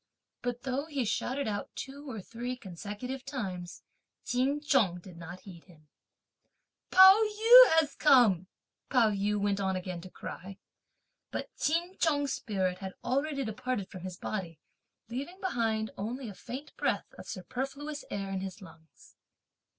But though he shouted out two or three consecutive times, Ch'in Chung did not heed him. "Pao yü has come!" Pao yü went on again to cry. But Ch'in Chung's spirit had already departed from his body, leaving behind only a faint breath of superfluous air in his lungs.